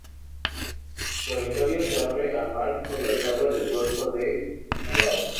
Su territorio se abre al mar por las aguas del Golfo de Davao.